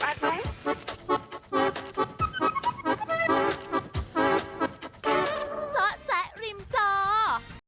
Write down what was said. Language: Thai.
โปรดติดตามตอนต่อไป